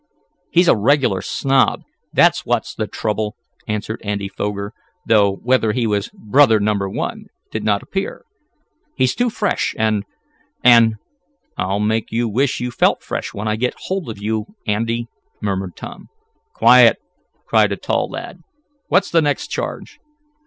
"He's a regular snob, that's what's the trouble," answered Andy Foger, though whether he was "Brother Number One," did not appear. "He's too fresh and and " "I'll make you wish you felt fresh when I get hold of you, Andy," murmured Tom. "Quiet!" cried a tall lad. "What's the next charge?"